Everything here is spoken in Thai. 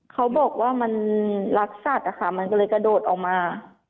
เขาบอกว่ามันรักสัตว์มันก็เลยกระโดดออกมา